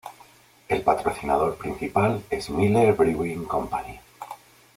El patrocinador principal es Miller Brewing Company.